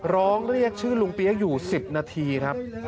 ร้องเรียกชื่อลุงเปี๊ยกอยู่๑๐นาทีครับ